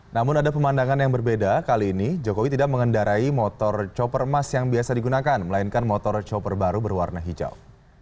namun ada pemandangan yang berbeda kali ini jokowi tidak mengendarai motor chopper emas yang biasa digunakan melainkan motor chopper baru berwarna hijau